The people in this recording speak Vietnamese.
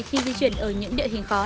khi di chuyển ở những địa hình khó